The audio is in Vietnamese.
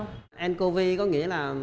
n covid có nghĩa là